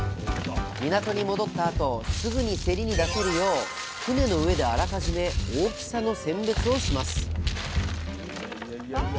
港に戻ったあとすぐに競りに出せるよう船の上であらかじめ大きさの選別をします